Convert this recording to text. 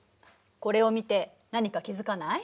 これを見て何か気付かない？